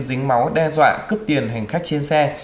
dính máu đe dọa cướp tiền hành khách trên xe